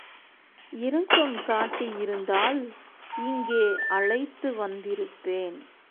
இரக்கம் காட்டியிருந்தால், இங்கே அழைத்து வந்திருப்பேன்.